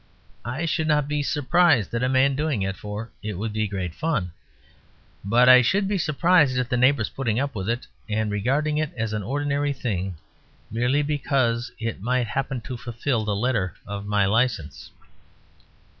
I should not be surprised at a man doing it; for it would be great fun. But I should be surprised at the neighbours putting up with it, and regarding it as an ordinary thing merely because it might happen to fulfill the letter of my license.